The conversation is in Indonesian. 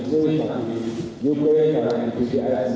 tentang yang disini aku